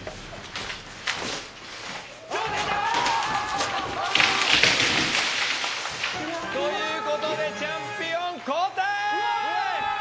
挑戦者！ということでチャンピオン交代！